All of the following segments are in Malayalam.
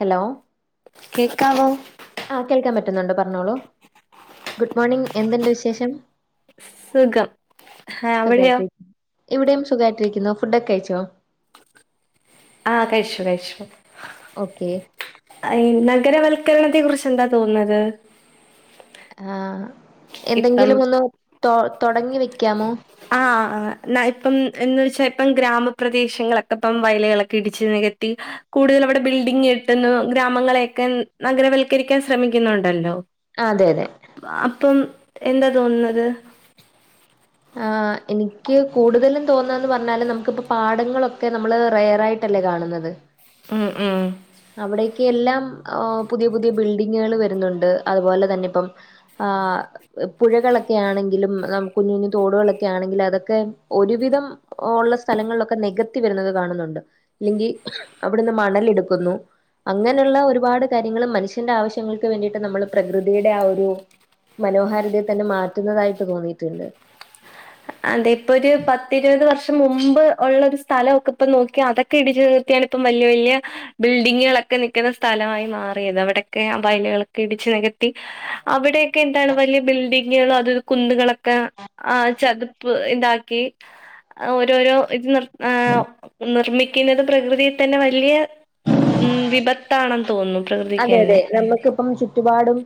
ഹലോ കേക്കാമോ ആഹ കേൾക്കാൻ പറ്റുന്നുണ്ട് പറഞ്ഞോളൂ ഗുഡ് മോർണിംഗ് എന്തുണ്ട് വിശേഷം സുഖം ആ അവിടെയോ? സുഖായിട്ടിരിക്കുന്നു ഇവിടെയും സുഖമായിട്ടിരിക്കുന്നോ ഫുഡ് ഒക്കെ കഴിച്ചോ ആഹ് കഴിച്ചു കഴിച്ചു. ഓക്കെ നഗരവൽക്കരണത്തെ കുറിച്ച് എന്താ തോന്നുന്നത് ആ ഇപ്പം എന്തെങ്കിലും ഒന്ന് തോ തോടങ്ങി വെക്കാമോ ആഹ് ഇപ്പം എ വെച്ചാ ഇപ്പം ഗ്രാമപ്രദേശങ്ങളൊക്കെ ഇപ്പം വയലുകളളൊക്കെ ഇടിച്ച് നികത്തി കൂടുതലവിടെ ബിൽഡിങ് കെട്ടുന്നു ഗ്രാമങ്ങളെയെക്കെ നഗരവൽക്കരിക്കാൻ ശ്രമിക്കുന്നുണ്ടല്ലോ അതെ അതെ അപ്പം എന്താ തോന്നുന്നത് ആഹ് എനിക്ക് കൂടുതലും തോന്നാന്ന് പർഞ്ഞാല് നമുക്കിപ്പോ പാടങ്ങളൊക്കെ നമ്മള് റയറായി ല്ലേ കാണുന്നത് ഉം ഉം അവിടേക്ക് എല്ലാം പുതിയ പുതിയ ബിൽഡിങ്ങുകൾ വരുന്നുണ്ട് അതുപോലെ തന്നെ ഇപ്പം ആഹ് പുഴകളൊക്കെ ആണെങ്കിലും ന കുഞ്ഞു കുഞ്ഞഞ് തോടുകളൊക്കെ ആണെങ്കിലും അതൊക്കെ ഒരുവിധം ഉള്ള സ്ഥലങ്ങളിലൊക്കെ നികത്തി വരുന്നത് കാണുന്നുണ്ട് ഇല്ലെങ്കി അവിടുന്ന് മണലെടുക്കുന്നു അങ്ങനെയുള്ള ഒരുപാട് കാര്യങ്ങൾ മനുഷ്യന്റെ ആവശ്യങ്ങൾക്ക് വേണ്ടിയിട്ട് നമ്മൾ പ്രകൃതിയുടെ ആ ഒരു മനോഹാരിതയെ തന്നെ മാറ്റുന്നതായിട്ട് തോന്നിട്ട്ണ്ട് അതെ ഇപ്പൊരു പത്തിരുപത് വർഷം മുമ്പ് ഉള്ളൊരു സ്ഥലൊക്കെ ഇപ്പൊ നോക്കി അതൊക്കെ ക്കെ ഇടിച്ചു നികത്തിയാണ് ഇപ്പം വലിയ വലിയ ബിൽഡിങ്ങുകളൊക്കെ നിക്കുന്ന സ്ഥലമായി മാറിയത് അവിടൊക്കെ ആ വയലുകളൊക്കിടിച്ച് നികത്തി അവിടെക്കെ എന്താണ് വലിയ ബിൽഡിങ്ങുകളും അത കുന്നുകളൊക്കെ ആ ചതു ഇതാക്കി ഓരോരോ ഇത് ഏഫ് നിർമ്മി ഇന്നത്തെ പ്രകൃതിയിത്തന്നെ വലിയ വിപ അതെ അതെ നമുക്കിപ്പം ചുറ്റുപാടും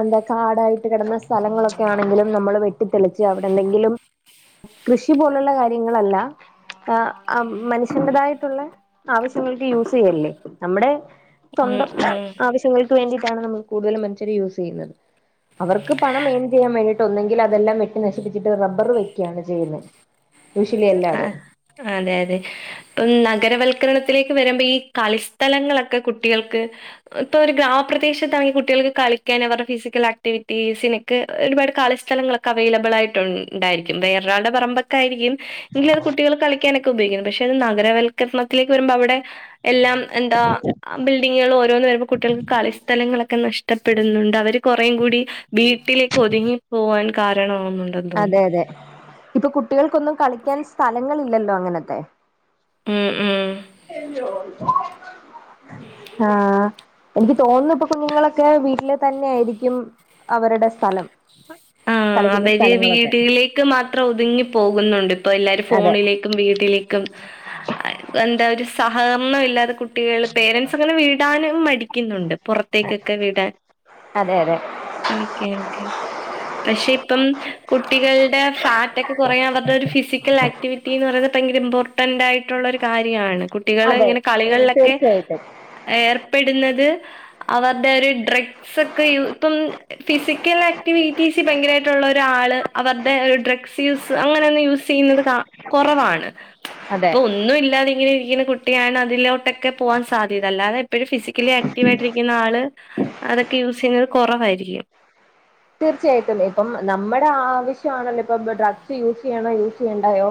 എന്താ കാടായിട്ട് കെടന്ന സ്ഥലങ്ങളൊക്കെയാണെങ്കിലും നമ്മള് വെട്ടിത്തെളിച്ച് അവിടെ എന്തെങ്കിലും കൃഷി പോലുള്ള കാര്യങ്ങളല്ല ആഹ് മനുഷ്യന്റെതായിട്ടുള്ള ആവശ്യങ്ങൾക്ക് യൂസെയ്യല്ലേ നമ്മുടെ ഉം സ്വന്തം ഉം ആവശ്യങ്ങൾക്ക് വേണ്ടിയിട്ടാണ് നമ്മള് കൂടുതലും മനുഷ്യരെ യൂസെയ്യുന്നത് അവർക്ക് പണം ഇൺ ചെയാൻ വേണ്ടിട്ട് ഒന്നെങ്കിൽ അതെല്ലാം വെട്ടി നശിപ്പിച്ചിട്ട് റബർ വെക്കും ക്കെയാണ് ചെയ്യുന്നെ ആഹ് അതെയതെ ഇപ്പം നഗരവൽക്കരണത്തിലേക്ക് വരുമ്പീ കളിസ്ഥലങ്ങളൊക്കെ കുട്ടികൾക്ക് ഇപ്പൊരു ഗ്രാമപ്രദേശത്താണെങ്കി കുട്ടികൾക്ക് കളിക്കാൻ അവരുടെ ഫിസിക്കൽ ആക്ടിവിറ്റീസിന് ഒരുപാട് കളിസ്ഥലങ്ങളൊക്കെ അവൈലബിളായിട്ടുണ്ടായിരിക്കും വേറൊരാളുടെ പറമ്പൊക്കായിരിക്കും എങ്കിലത് കുട്ടികള് കളിക്കാനൊക്കുപയോഗിക്കുന്നു പക്ഷെ അത് നഗരവൽക്കരണത്തിലേക്ക് വരുമ്പോ അവിടെ എല്ലാം എന്താ ആ ബിൽഡിങ്ങുകൾ ഓരോന്ന് വരുമ്പോ കുട്ടികൾക്ക് കളിസ്ഥലങ്ങളൊക്കെ നഷ്ടപ്പെടുന്നുണ്ട് അവർ കൊറെം കൂടി വീട്ട്ലേക്ക് ഒത്ങ്ങി പോവാൻ കാരണമാവുന്നുണ്ടെന്ന് അതെ തോന്ന്ന്നു അതെ ഇപ്പൊ കുട്ടികൾക്കൊന്നും കളിക്കാൻ സ്ഥലങ്ങളില്ലല്ലോ അങ്ങനത്തെ ഉം ഉം [unintelligible] ആഹ് എൻക്ക് തോന്നുന്നു. ഇപ്പൊ കുഞ്ഞുങ്ങളൊക്കെ വീട്ട്ല് തന്നെ ആയിരിക്കും അവര്ടെ സ്ഥലം ആഹ് കളിക്കുന്ന അവര് സ്ഥലങ്ങളൊക്കെ വീടില് ക്ക് മാത്രം ഒത്ങ്ങി പോകുന്നുണ്ട് ഇപ്പൊ എല്ലാരു അതെ ഫോണ്ല് ക്കും വീട്ടിലേക്കും എന്താ ഒരു സഹകരണം ഇല്ലാെ കു കുട്ടികള് പേരൻസൊക്കെ ങ്ങനെ വിടാനും മടിക്ക്ന്ന്ണ്ട് പൊറത്തേക്കൊക്കെ വിടാൻ അതെ അതെ കളിക്കാനക്കെ പക്ഷെ ഇപ്പം കുട്ടികൾടെ ഫാറ്റൊക്കെ കൊറയാൻ അവര്ടൊരു ഫിസിക്കൽ ആക്ടിവിറ്റിന്ന് പറയുന്നെ ഭയങ്കര ഇമ്പോർ ന്റായിട്ടുള്ളൊര് കാര്യാണ് അതെ കുട്ടികള്ങ്ങനെ കളികളിലൊക്കെ തീർച്ചയായിട്ടും ഏർപ്പെട്ന്നത് അവറ്ടൊര് ഡ്രഗ്സെക്കെ യൂ ഇപ്പം ഫിസിക്കലാ വി ടി സി ഭയങ്കരമായിട്ടുള്ള ഒരാള് അവരുടെ ഡ്രഗ്സ് യൂസ് അങ്ങനെ ഒന്നും യൂസ് ചെയ്യുന്നത് കാ! ! ! ! ! ! ! ! ! ! കൊറവാണ് അതെ ഒന്നും ഇല്ലാതിങ്ങനിരിക്കുന്ന കുട്ടിയാണ് അതിലോട്ടൊക്കെ പോവാൻ സാധ്യത അ അല്ലാതെ ഫിസി ഒരിക്കല് ആക്റ്റീവ് ആയിട്ടിരിക്കുന്ന ആള് അതൊക്കെ യൂസിംഗ് കോറവായിരിക്കും തീർച്ചയായ്ട്ടും ഇപ്പം നമ്മടെ ആവശ്യ ആണല്ലോ ഇപ്പൊ ഡ്രഗ്സ് യൂസ് ചെയ്യണോ യൂസ് ചെയ്യേണ്ടായോ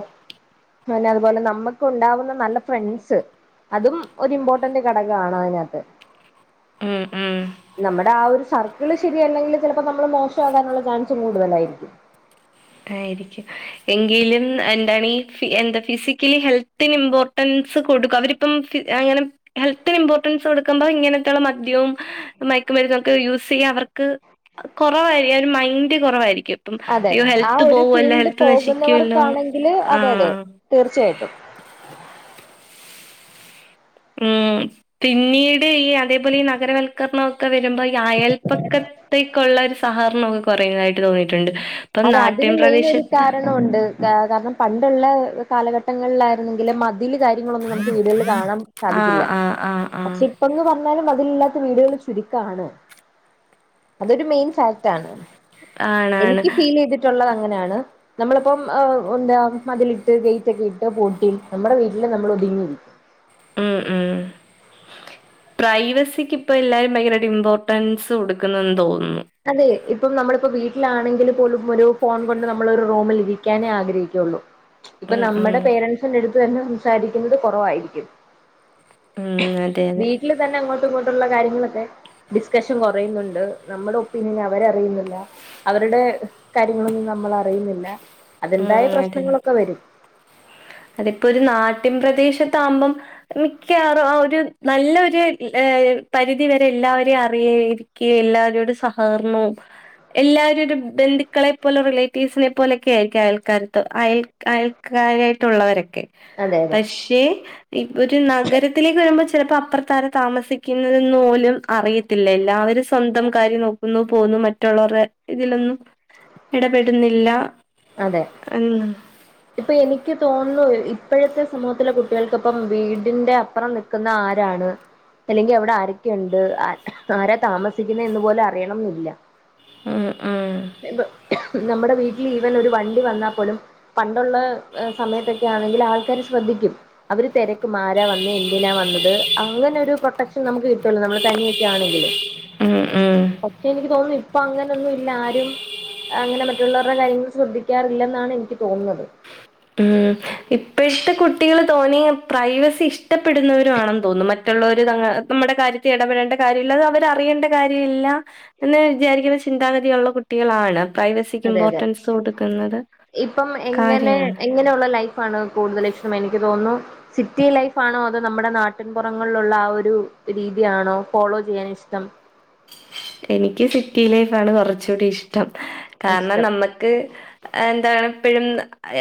പിന്നതുപോലെ നമ്മുക്കുണ്ടാവുന്ന നല്ല ഫ്രണ്ട്സ് അതും ഒരിമ്പോർട്ടന്റ് ഘടകമാണയിനാത്ത് ഉം ഉം നമ്മുടെ ആഹ് ഒര് സർക്ക്ള് ശരിയല്ലെങ്കില് ചെലപ്പോ നമ്മള് മോശകാന്ള്ള ചാൻസ് കൂട്തലായിരിക്കും ആഹയിരിക്കും എങ്കിലും എന്താണ് ഈ എന്താ ഫിസിക്കലി ഹെൽത്തിന് ഇമ്പോർട്ടൻസ് കൊടുക്കും അവരിപ്പം അങ്ങനെ ഹെൽത്തിനിമ്പോർട്ടൻസ് കൊടുക്കുമ്പോ ഇങ്ങനത്തുള്ള മദ്യവും മയക്കുമരുന്നൊക്ക് യൂസ് ചെയ്യ അവർക്ക്! ! ! ! ! ! ! ! ! ! കുറവായിരിക്കും ഒരു മൈൻഡ് കുറവായിരിക്കും ഇപ്പം അതെ അയ്യോ ആ ഹെൽത്ത് ഒരു പോവല്ലോ ഫീൽഡ് ഹെൽത്ത് നശിക്കുവല്ലോ പോകുന്നവർക്കാണെങ്കില് അതെ അതെ ആഹ്. തീർച്ചയായിട്ടും ഉം പിന്നീട് ഈ അതെപോലെ ഈ നഗരവൽക്കര്ണൊക്കെ വരുമ്പൊ അയൽപ്പക്കത്തേക്കുള്ള ഒരു സഹകരണൊക്കെ കൊറയുന്നതായിട്ട് തോന്നിയിട്ടുണ്ട് ഇപ്പം അതെ അതിന് നാട്ടിൻ മെയിനൊരു പ്രദേശത്ത് കാരണം കളുണ്ട് കാരണം പണ്ടുള്ള കാലഘട്ടങ്ങളിലായിരുന്നെങ്കില് മ തില് കാര്യങ്ങളൊന്നും നമുക്ക് വീടുകളില് കാണാൻ ആഹ് സാധിക്കില്ല ആഹ് ആഹ് ആഹ് പക്ഷെ ഇപ്പെന്ന് പറഞ്ഞാലും മതിലില്ലാത്ത വീടുകള് ചുരുക്കാണ് അതൊരു മെയിൻ ഫാക്റ്റ്ണ് ആണാണ് ണ് ഈ ഫീൽ ചെയ്തിട്ടുള്ളത് അങ്ങനെയാണ് നമ്മളിപ്പം എന്താ മതിലിട്ട് ഗെയ്റ്റൊക്കെയിട്ട് പൂട്ടി നമ്മുടെ വീട്ടില് നമ്മളൊതുങ്ങിയിരിക്കും ഉം ഉം പ്രൈവസിക്ക് ഇപ്പോ എല്ലാരും ഭയങ്കരമായി ഇമ്പോർട്ടൻസ് കൊടുക്കുന്നെന്ന് തോന്നുന്നു അതെ ഇപ്പം നമ്മളിപ്പോ വീട്ടിലാണെങ്കിൽ പോലും ഒരു ഫോൺ കൊണ്ട് നമ്മൾ ഒരു റൂമിൽരിക്കാനേ ആഗ്രഹിക്കുള്ളൂ ഇപ്പ ഉം ഉം നമ്മ്ടെ പേരൻസിന്റെ അടുത്തെന്നെ സംസാരിക്ക്ന്നത് കൊറവായിരിക്കും ഉം അയെ വീട്ടില് തന്നെ അങ്ങോട്ടും ഇങ്ങോട്ടുള്ള കാര്യങ്ങളൊക്കെ ഡിക്റ്റേഷൻ കൊറയുന്നുണ്ട് നമ്മ്ടെ ഒപ്പീനിയൻ അവരറിയ്ന്നില്ല അവരുടെ കാര്യങ്ങളൊന്നും നമ്മളറിയുന്നില്ല ഉം അതിന്റെതായ അതെ പ്രശ്നങ്ങളൊക്കെ വരും അതിപ്പോ ഒരു നാട്ടിൻ പ്രദേശത്ത ആകുമ്പം മിക്കവാറും ആഹ് ഒരു നല്ലൊര് പരിധി വരെ എല്ലാവരേം അറിയാരിക്കും എല്ലാരോടും സഹകരണവും എല്ലാവരുഒരു ബന്ധുക്കളെ പോലെ റിലേറ്റീവ്സിനെ പോലൊക്കെയായിരിക്കും അയൽക്കാരത്ത് അയൽ അയൽ അയൾ ത്തുള്ളവരൊക്കെ അതെ അതെ പക്ഷേ ഇപ്പൊരു നഗരത്തിലേക്ക് വരുമ്പോൾ ചെലപ്പോ അപ്പുറത്താരാ താമസിക്കുന്നതെന്ന് പോലും അറിയ ഇല്ലല്ല. അവര് സ്വന്തം കാര്യം നോക്കുന്നു പോകുന്നു. മറ്റ്ള്ളവര്ടെ ഇതിലൊന്നും എടപെട്ന്നില്ല അതെ എന്ന് ഇപ്പൊ എനിക്ക് തോന്നുന്നു ഇപ്പോഴത്തെ സമൂഹത്തിലെ കുട്ടികൾക്ക ഇപ്പം വീടിന്റെ അപ്പുറം നി നിക്കുന്ന ആരാണ് അല്ലെങ്കിൽ അവിടെ ആരൊക്കെയുണ്ട് ആരാ താമസിക്കുന്നത് എന്ന് പോലും അറിയണംന്നില്ല ഉം ഇപ്പൊ നമ്മുടെ വീട്ടിലീവൻ ഒരു വണ്ടി വന്നാപോലും പണ്ടുള്ള സമയത്തൊക്കെയാണെങ്കിൽ ആൾക്കാര് ശ്രദ്ധിക്കും അവര് തെര മര വന്ന യെന്തിനാ വന്നത് അങ്ങനെ ഒരു പ്രൊട്ടക്ഷൻ നമുക്ക് കിട്ടല്ലോ നമ്മള് തനിയൊക്കെ ആണെങ്കില് ഉം ഉം ഉം പക്ഷെ എനിക്ക് തോന്നുന്നു ഇപ്പൊ അങ്ങനൊന്നുല്ല ആരും അങ്ങനെ മറ്റുള്ളവരുടെ കാര്യങ്ങൾ ശ്രദ്ധി യ്യാറില്ലെന്നാണ് എനിക്ക് തോന്ന്ന്നത് ഉം ഇപ്പോഴത്തെ കുട്ടികൾ തോന്നിയ പ്രൈവസി ഇഷ്ടപ്പെടുന്നവരും ആണെന്ന് തോന്നും മ മറ്റുള്ളവര് നമ്മുടെ കാര്യത്തിൽ ഇടപെടേണ്ട കാര്യമില്ല അതവരറിയേണ്ട കാര്യമില്ല എന്ന് വിചാരിക്കുന്ന ചിന്താഗതിയുള്ള കുട്ടികളാണ് അതെ അതെ പ്രൈവസിക്കിമ്പോർട്ടൻസ് കൊടുക്കുന്നത് കാര്യാണ് അങ്ങനെയുള്ള ലൈഫാണ് കൂടുതലിഷ്ടം എനിക്ക് തോന്നുന്നു സിറ്റി ലൈഫ് ആണോ അതോ നമ്മുടെ നാട്ടിൻപുറങ്ങളിലുള്ള ആ ഒരു രീതിയാണോ ഫോളോ ചെയ്യാൻ ഇഷ്ടം എനിക്ക് സിറ്റി ലൈഫാണ് കൊറച്ച്കൂടി ഇഷ്ടം കാരണം ഇഷ്ടം നമ്മക്ക് എന്താണിപ്പഴും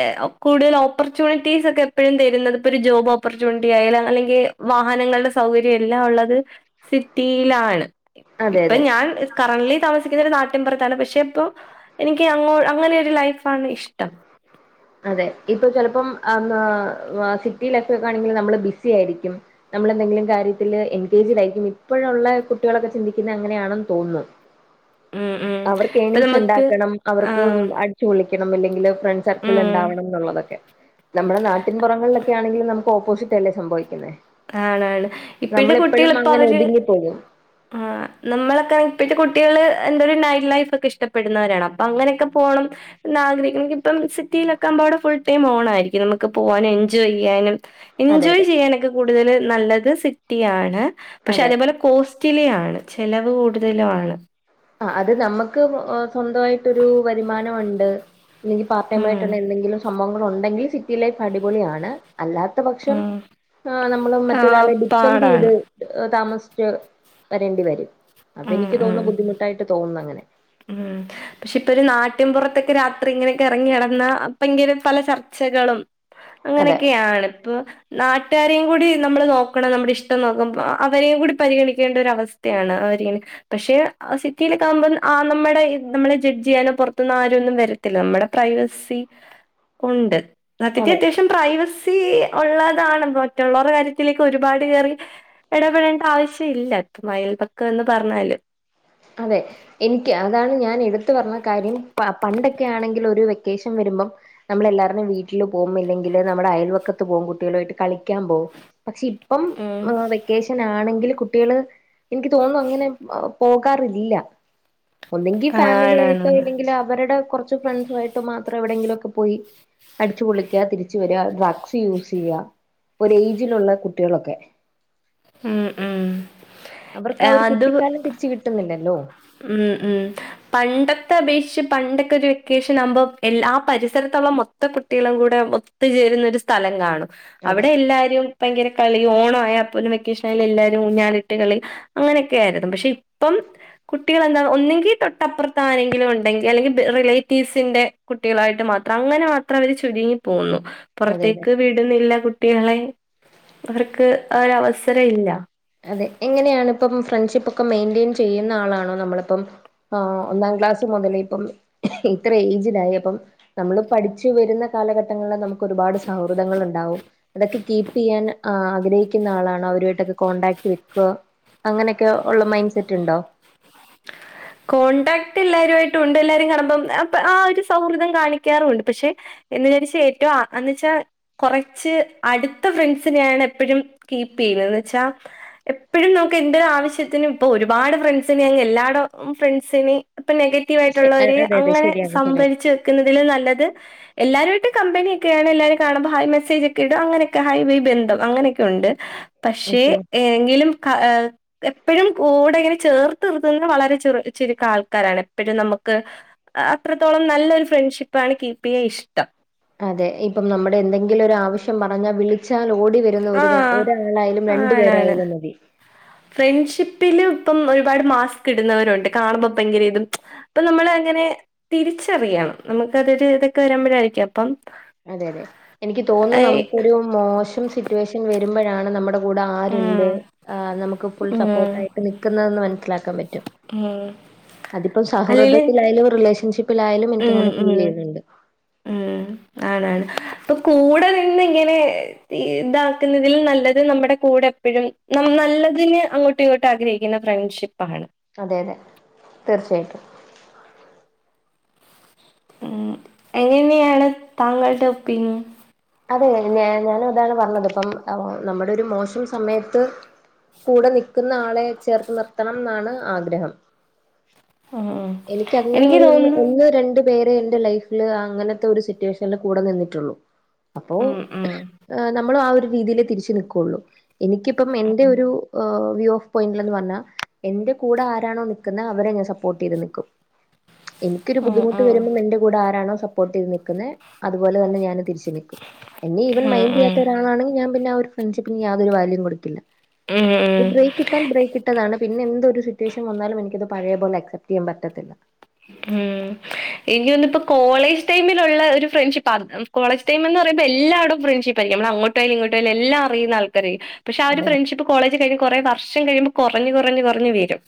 ഏ കൂടുതൽ ഓപ്പർച്യൂണിറ്റീസൊക്കെ എപ്പഴും തരുന്നത് ഇപ്പൊരു ജോബോപ്പർച്യൂണിറ്റി ആയാല് അല്ലെങ്കിൽ വാഹനങ്ങളുടെ സൗകര്യം എല്ലാം ഉള്ളത് സിറ്റിയിലാണ് അതെ ഇപ്പൊ അതെ ഞാൻ കറണ്ട്ലി താമസിക്കുന്ന ഒരു നാട്ടിൻപുറത്താണ് പക്ഷെ ഇപ്പോ എനിക്ക് അങ്ങനെയൊ ഒരു ലൈഫാണ് ഇഷ്ടം അതെ ഇപ്പൊ ചിലപ്പം സിറ്റി ലൈഫ് ഒക്കെ ആണെങ്കിൽ നമ്മള് ബിസി ആയിരിക്കും നമ്മ്ളെന്തെങ്കിലും കാര്യത്തില് എൻകേജ്ടായിരിക്കും. ഇപ്പഴുള്ള കുട്ടീളൊക്കെ ചിന്തിക്ക്ന്നത് അങ്ങനെയാണെന്ന് തോന്നുന്നു ഉം ഉം അവർക്ക് ഇപ്പൊ ഏണിങ്സ് നമുക്ക് ഉണ്ടാക്കണം അവർക്ക് ആഹ് വിളിക്കണം അല്ലെങ്കിൽ ഫ്രണ്ട് സർക്കിൾ ഉം ഉണ്ടാവണം എന്നുള്ളതൊക്കെ നമ്മുടെ നാട്ടി പുറങ്ങളിലൊക്കെ ആണെങ്കിൽ നമുക്ക് ഓപ്പോസിറ്റ് അല്ലേ സംഭവിക്കുന്നത് ആണാണ് ഇപ്പഴെ കുട്ടികളി ഇപ്പൊ അവര് ഒതുങ്ങിപ്പോകും ആഹ് നമ്മളൊക്കെ ഇപ്പത്തെ കുട്ടികള് എന്ത ഒരു നൈറ്റ് ലൈഫ് ഒക്കെ ഇഷ്ടപ്പെടുന്നവരാണ് അപ്പൊ അങ്ങനെയൊക്കെ പോകണം ന്നാ ആഗ്രഹിക്ക്ണെ ഇൻക്ക്പ്പം സിറ്റീയിലൊക്കാവുമ്പ അവടെ ഫുൾ ടൈം ഓണായിരിക്കും നമ്മക്ക് പോവാനും എൻജോയ് ചിയ്യാനും അതെ എൻജോയ് അതെ ചെയ്യാനൊക്കെ കൂടുതൽ നല്ലത് സിറ്റിയ ആാണ് പക്ഷെ അതെ അതേപോലെ കോസ്റ്റിലി ആണ് ചെലവ് കൂടുതലും ആണ് ആ അത് നമ്മുക്ക് സ്വന്തമായിട്ടൊരു വരുമാനമുണ്ട് ഇല്ലെങ്കിൽ ഉം പാർട്ടെയ്മായിട്ടുള്ള എന്തെങ്കിലും സംഭവങ്ങൾ ഉണ്ടെങ്കിൽ സിറ്റി ലൈഫ് അടിപൊളിയാണ് അല്ലാത്ത പക്ഷം ഉം നമ്മള് ആഹ് മറ്റൊരാളെ ഡിപ്പെൻഡ് ചെയ്ത് പാടാണ് താമസിച്ചു വരേണ്ടി വരും ഉം അതെനിക്ക് ഉം തോന്നുന്നു ബുദ്ധിമുട്ടായിട്ട് തോന്നുന്നു അങ്ങനെ ഉം പക്ഷെ ഇപ്പൊ ഒരു നാട്ട്ൻപുറത്തൊക്കെ രാത്രി ഇങ്ങനെയൊക്കെ ഇറങ്ങി നടന്ന അപ്പം ഇങ്കെ പല ചർച്ചകളും അതെ അങ്ങനെയൊക്കെയാണ് ഇപ്പൊ നാട്ടുകാരിം കൂടി നമ്മള് നോക്കണം. നമ്മ്ടെ ഇഷ്ടം നോക്കുമ്പൊ. അവരെം കൂടി പരിഗണിക്കേണ്ട ഒരവസ്ഥയാണ്. അവരിങ പക്ഷെ സിറ്റിയിലൊക്കെ ആകുമ്പം ആഹ് നമ്മ്ടെ നമ്മളെ ജഡ്ജീയ്യാനൊ പൊറത്ത്ന്നാരൊന്നും വരത്തില്ല നമ്മ്ടെ പ്രൈവസി ഉണ്ട് സത്യത്തി അതെ അത്യാവശ്യം പ്രൈവസി ഉള്ളതാണ് മറ്റുള്ളവരു കാര്യത്തിലേക്ക് ഒരുപാട് കയറി ഇടപെടേണ്ട ആവശ്യം ഇല്ല അയൽപക്കം എന്ന് പറഞ്ഞാല് അതെ എനിക്ക് അതാണ് ഞാൻ എടുത്തു പറഞ്ഞ കാര്യം പണ്ടൊക്കെ ആണെങ്കിൽ ഒരു വെക്കേഷൻ വരുമ്പം നമ്മളെല്ലാരുനും വീട്ടിൽ പോകും ഇില്ലെങ്കിൽ നമ്മുടെ അയൽവക്കത്ത് പോകും കുട്ടികളു ആയിട്ട് കളിക്കാൻ പോകും പക്ഷെ ഇപ്പം. ഉം ഏഹ് വെക്കേഷനാണെങ്കില് കുട്ടികള് എൻക്ക് തോന്നുന്നു അങ്ങനെ പോ ഒന്നങ്കിൽ ഫാമിലി ആയിട്ടോ ആണാണ് ഇല്ലെങ്കിൽ അവടെ കുറ ഫ്രണ്ട്സായിട്ട് മാത്രം എവിടെങ്കിലും ഒക്കെ പോയി അടിച്ചു പൊളിക്കുക തിരിച്ച വരിക ഡ്രഗ്സ് യൂസ് ചെയ്യുക ഒ ഏജിലുള്ള കുട്ടികളൊക്കെ ഉ ഉം അവർക്കാ ഒരു അത് കുട്ടിക്കാലം തിരിച്ച് കിട്ട്ന്നില്ലല്ലൊ ഉം ഉം പണ്ടത്തെ അപേഷ്ച്ച് പണ്ടൊക്കൊര് വെക്കേഷനാവുമ്പൊ. എല്ല ആഹ് പരിസരത്ത്ള്ള മൊത്തം കുട്ടീളും കൂടെ ഒത്ത് ചേരുന്ന ഒരു സ്ഥലം കാണും അതെ അവിടെ എല്ലാരും ഭയങ്കര കളി ഓണ ആയാപ്പോലും വെക്കേഷൻ ആയാല എല്ലാരും ഊഞ്ഞാാലിട്ട് കളി അങ്ങനെയൊക്കെ ആയിരുന്നു പക്ഷെ ഇപ്പം കുട്ടികളെന്താ ഒന്നെങ്കിൽ തൊട്ടപ്പുറത്ത് ആരെങ്കിലും ഉണ്ടെങ്കിൽ അല്ലെങ്കിൽ റിലേറ്റീവ്സിന്റെ കുട്ടീകളായിട്ട് മാത്രം. അങ്ങന മാത്രം അവര് ചുരുങ്ങി പോകുന്നു അതെ അതെ പൊറത്തേക്ക് വീട്ന്നില്ല കുട്ടീളെ. അവർക്ക് ഒരവസ്സരല്ല അതെ എങ്ങനെയാണ് ഇപ്പം ഫ്രണ്ട്ഷിപ്പ് ഒക്കെ മെയിൻറ്റെയിൻ ചെയ്യുന്ന ആളാണോ നമ്മളിപ്പം ആഹ് ഒന്നാം ക്ലാസ് മൊതലെ ഇപ്പം ഇത്ര ഏയ്ജിലായി അപ്പം നമ്മള് പഠിച്ചു വരുന്ന കാലഘട്ടങ്ങളിൽ നമുക്ക് ഒരുപാട് സൗഹൃദങ്ങൾ ഉണ്ടാവും അതൊക്കെ കീപ്പ് ചെയ്യാൻ് ആഗ്രഹിക്കുന്ന ആളാണ് അവരുമായിട്ടൊക്കെ കോൺടാക്ട് വെക്ക. അങ്ങനൊക്കെള്ള മൈൻ സെറ്റുണ്ടൊ [inaudible] കോൺടാക്ട് എല്ലാരുവായിട്ടുണ്ട് എല്ലാരും കാണുമ്പം ആഹ് ഒര് സൗഹൃദം കാണിക്കാറുണ്ട് പഷെ എന്ന് വിചാരിച്ച് ഏറ്റവും എന്ന് വെച്ചാൽ കുറച്ച് അടുത്ത ഫ്രണ്ട്സിനെയാണ് എപ്പോഴും കീപ്പ് ചെയ്യുന്നത്ന്ന് വെച്ചാ എപ്പോഴും നമുക്ക് എന്ത് ഒരു ആവശ്യത്തിനും ഇപ്പൊ ഒരുപാട് ഫ്രണ്ട്സിിനന് എല്ല ഫ്രണ്ട്സിന് ഇപ്പം നെഗറ്റീവ് ശെ അ ആയിട്ടുള്ളവര് അതെ അതെ അങ്ങനെ ശരിയാണ് ശരിയാണ് സംഭരിച്ച് നിക്ക്ന്നതിലും നല്ലത് എല്ലാവരുമായിട്ട് കമ്പനിയൊക്കെയാണ് എല്ലാവരും കാണുമ്പോ ഹൈ മെസ്സേജ് ഒക്കെ ഇടും അങ്ങനെയൊക്കെ ഹൈ വേ ബന്ധം അങ്ങനെയൊക്കെ ഉണ്ട് പക്ഷേ ഓക്കെ ഏങ്കിലും എപ്പോഴും കൂടെ ഇങ്ങനെ ചേർ തീർത്ത്ന്ന വളരെ ചുരുക്ക ആൾക്കാരാണ് എപ്പഴും നമ്മക്ക് അത്രത്തോളം നല്ലരു ഫ്രണ്ട്ഷിപ്പാണ് കീപ്പ് ചെയ്യാൻ ഇഷ്ടം അതെ ഇപ്പം നമ്മുടെ എന്തെങ്കിലും ഒരു ആവശ്യം പറഞ്ഞാൽ വിളിച്ചാൽഓ ടി വരുന്ന ഒരു ആഹ് ഒരാളായാലും രണ്ടു പേരായാലും മതി ഫ്രൺഷിപ്പിലും ഇപ്പം ഒര്പാട് മാസ്ക്കിട്ന്നവരുണ്ട് കാണുമ്പൊ ഭങ്കര ഇതും അപ്പൊ നമ്മൾ അങ്ങനെ തിരിച്ചറിയണം നമുക്ക അതൊരു ഇതൊക്കെ വരുമ്പോഴായിരിക്കും അപ്പം അതെ അതെ എനിക്ക് തോന്നുന്നു ഏഹ് നമുക്കൊരു മോശം സിറ്റുവേഷൻ വരുമ്പോഴാണ് നമ്മുടെ കൂടെ ആരുണ്ട് ഉം നമുക്ക് ഫുൾ ഉം സപ്പോർട്ട ആയിട്ട് നിക്കുന്നതെന്ന് മനസ്സിലാക്കാൻ പറ്റും ഉം അതിപ്പം അല്ലേല് സൗഹൃദത്തിലായാലും റിലേഷൻഷിപ്പിലായാലും ഉം എനക്ക്ങ്ങനെ ഫീൽ ഉം ചെയ്യുന്നുണ്ട് ഉം ആണാണ് അപ്പൊ കൂടെ നിന്ന ഇങ്ങനെ ഇതാക്ക്ന്നതില് നല്ലത് നമ്മ്ടെ കൂടെ എപ്പഴും നമ് നല്ലതിന് അങ്ങോ കുട്ടിയോട്ട് ആഗ്രഹിക്കുന്ന ഫ്രണ്ട്ഷിപ്പാണ് അതെ അതെ തീർച്ചയായിട്ടും ഉ എങ്ങനെയാണ് താങ്കളുടെ ഒപ്പീനിയൻ അതെ ഞാനു അതാണ് പറഞ്ഞത് ഇപ്പം നമ്മ്ടെ ഒരു മോശം സമയത്ത് കൂടെ നിക്കുന്ന ആളെ ചേർത്ത് നിർത്തണംന്നാണ് ആഗ്രഹം ഉം. എനിക്ക് അങ്ങനെ ഒരുന്ന് ഒന്ന് രണ്ട് വേറെ എന്റെ ലൈഫില് അങ്ങനത്തൊരു സിറ്റുവേഷനില് കൂടെ നിന്നിട്ടൊള്ളു അപ്പോ ഉം, ഉം. നമ്മളും ആ ഒരു രീതിയിലേ തിരിച്ചു നൽക്കുള്ളൂ എനിക്കിപ്പം എൻ്റെ ഒരു ഉം. ഓവ് വ്യൂ പോയിന്റ്ലന്ന് വന്ന എന്റെ കൂടെ ആരാണൊ നിക്ക്ന്നെ അവരെ ഞാൻ സപ്പോർട്ടീത് നിക്കും എനിക്കൊര് ഉം, ബുദ്ധിമുട്ട് ഉം. വരുമ്പൊ എന്റെ കൂടെ ആരാണൊ സപ്പോർട്ടീത് നിക്ക്ന്നെ അതുപോലെന്നെ ഞാനും തിരിച്ച് നിക്കും. എന്നെ ഈവൻ ഉം, ഉം. മൈന്റീയ്യാത്ത ഒരാളാണെങ്കി ഞാൻ പിന്നെ ആഹ് ഒര് ഫ്രൺഷിപ്പിന് യാതൊരു വാല്യു കൊട്ക്കില്ല ഏഹ് ഇത് ബ്രേക്ക് ഇട്ടാൽ ബ്രേക്ക് ഇട്ടതാണ് പിന്നെ എന്തൊ സിറ്റുവേഷൻ വന്നാലും എനിക്കത് പഴയ പോലെ അക്സെപ്റ്റ് ചെയ്യൻ പറ്റത്തില്ല ഉം ഇഞൊന്ന്പ്പൊ കോളേജ് ടൈമില്ള്ള ഒര് ഫ്രൺഷിപ്പാണ്. കോളേജ് ടൈമെന്ന് പറയുമ്പൊ എല്ലാടൊം. ഫ്രണ്ട്ഷിപ്പായിരിക്കും നമ്മളങ്ങോട്ട് അങ്ങട്ടോയാലും ഇങ്ങോട്ടായാലും എല്ലാ അറിയുന്ന ആൾക്കാര് പക്ഷെ ആ ഒരു അതെ ഫ്രണ്ട്ഷിപ്പ് കോളേജ് കഴിഞ്ഞു കുറെ വർഷം കഴിയുമ്പൾ കുറഞ്ഞു കുറഞ്ഞു വരും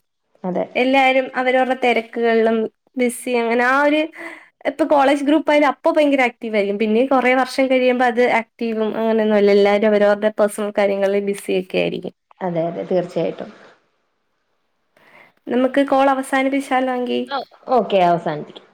അതെ എല്ലാരും അവരരുടെ തിരക്കുകളിലും ബിസ്സി അങ്ങനെ ആ ഒരു ഇപ്പൊ കോളേജ് ഗ്രൂപ്പായാലും അപ്പൊ ഭയങ്കര ആക്ടീവായിരിക്കും. പിന്നെ കൊറെ വർഷം കഴിയുമ്പൊ അത് ആക് ടീമും അങ്ങനൊന്നുംമല്ല എല്ലാവരും അവരവരുടെ പേഴ്സണൽ കാര്യങ്ങളിൽ ബിസി ഒക്കെ ആയിരിക്കും അതെ അതെ തീർച്ചയായിട്ടും നമുക്ക് കോളവസാനിപ്പിച്ചാലൊങ്കി ഓക്കെ അവസാനിപ്പിക്കാം